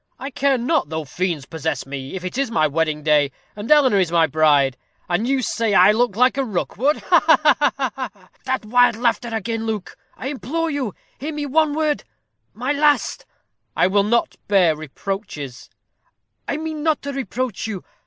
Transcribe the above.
I care not though fiends possess me, if it is my wedding day, and Eleanor is my bride. And you say I look like a Rookwood. Ha, ha!" "That wild laughter again. Luke, I implore you, hear me one word my last " "I will not bear reproaches." "I mean not to reproach you.